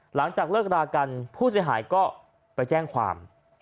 หลังจากเลิกรากันผู้เสียหายก็ไปแจ้งความ